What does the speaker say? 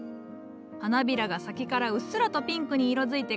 花びらが先からうっすらとピンクに色づいて可憐じゃろ？